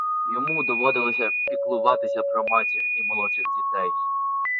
Йому доводилося піклуватися про матір і молодших дітей.